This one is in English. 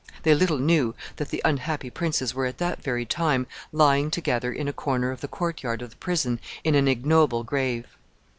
They little knew that the unhappy princes were at that very time lying together in a corner of the court yard of the prison in an ignoble grave.